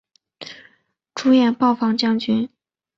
主演暴坊将军。